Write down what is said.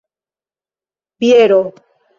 biero